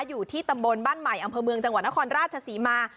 อยู่ที่ตำบลบ้านใหม่อำเภอเมืองจังหวัดนครราชศรีมา